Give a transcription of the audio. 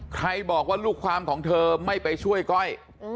ใครบอกว่าลูกความของเธอไม่ไปช่วยก้อย